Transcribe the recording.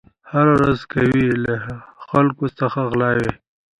هره ورځ کوي له خلکو څخه غلاوي